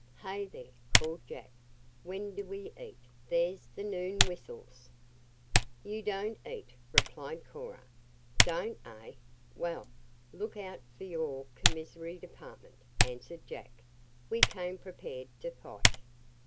"Hey there!" called Jack. "When do we eat? There's the noon whistles." "Yon don't eat," replied Cora. "Don't, eh? Well, look out for your commissary department," answered Jack. "We came prepared to fight."